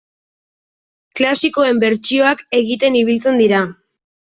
Klasikoen bertsioak egiten ibiltzen dira.